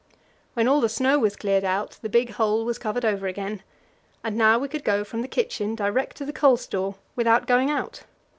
When all the snow was cleared out, the big hole was covered over again, and now we could go from the kitchen direct to the coal store without going out.